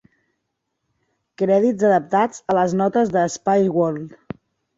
Crèdits adaptats a les notes de "Spiceworld".